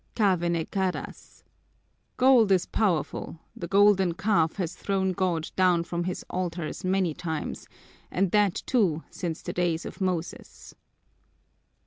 Cave ne cadas! Gold is powerful the golden calf has thrown God down from His altars many times, and that too since the days of Moses!"